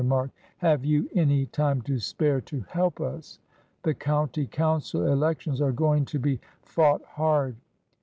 marked, " have you any time to spare to help us ? The county council elections are going to be fought hard."